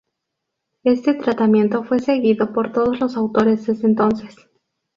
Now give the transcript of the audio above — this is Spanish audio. Este tratamiento fue seguido por todos los autores desde entonces.